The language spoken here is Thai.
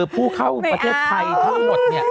ผู้เข้าประเทศไทยทั้งหมดเนี่ย